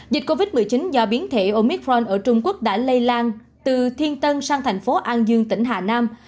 dịch covid một mươi chín do biến thể omitforn ở trung quốc đã lây lan từ thiên tân sang thành phố an dương tỉnh hà nam